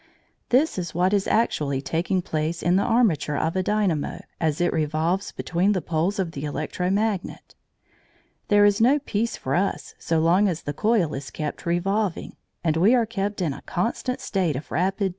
This is what is actually taking place in the armature of a dynamo as it revolves between the poles of the electro magnet. There is no peace for us so long as the coil is kept revolving; we are kept in a constant state of rapid to and fro motion.